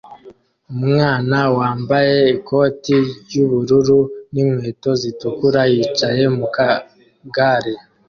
Umwana wambaye ikoti ry'ubururu n'inkweto zitukura yicaye mu kagare